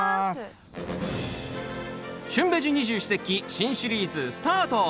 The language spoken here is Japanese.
「旬ベジ二十四節気」新シリーズスタート！